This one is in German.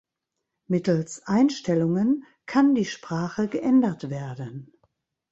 Mittels Einstellungen kann die Sprache geändert werden.